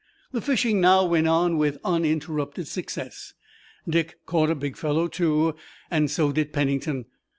The fishing now went on with uninterrupted success. Dick caught a big fellow too, and so did Pennington.